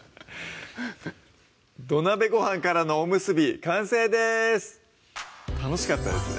「土鍋ごはんからのおむすび」完成です楽しかったですね